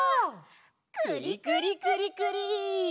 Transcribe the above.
くりくりくりくり！